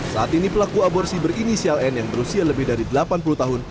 saat ini pelaku aborsi berinisial n yang berusia lebih dari delapan puluh tahun